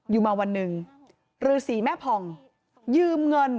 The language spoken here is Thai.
อยู่มาวันหนึ่งฤษีแม่ผ่องยืมเงิน